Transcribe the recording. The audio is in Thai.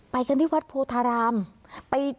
ไปกันที่วัดโพธารามไปจุดทูบ